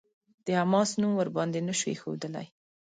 د «حماس» نوم ورباندې نه شو ايښودلای.